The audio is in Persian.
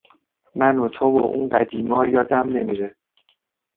من و تو و اون قدیما یادم نمیره